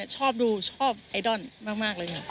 ชอบดูชอบไอดอลมากเลยค่ะ